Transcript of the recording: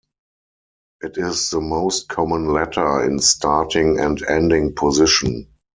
It is the most common letter in starting and ending position.